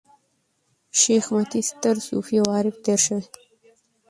شېخ متي ستر صوفي او عارف تېر سوی دﺉ.